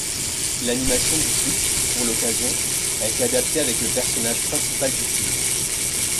L'animation du clip, pour l'occasion, a été adaptée avec le personnage principal du film.